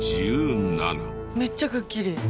めっちゃくっきり。